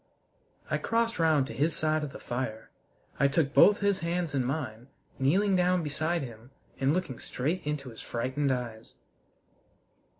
I crossed round to his side of the fire. I took both his hands in mine, kneeling down beside him and looking straight into his frightened eyes.